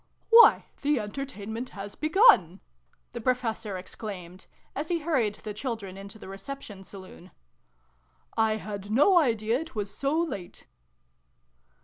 " Why, the entertainment has begun /" the Professor exclaimed, as he hur ried the children into the Reception Saloon. " I had no idea it was so late